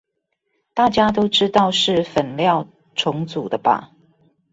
大家都知道是粉料重組的吧